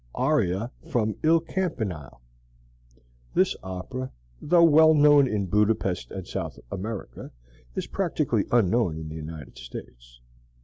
Aria from "Il Campanile." This opera, though well known in Budapest and South America, is practically unknown in the United States.